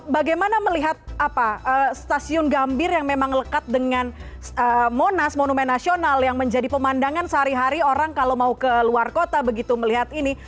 bagaimana melihat stasiun gambir yang memang lekat dengan monas monumen nasional yang menjadi pemandangan sehari hari orang kalau mau ke luar kota begitu melihat ini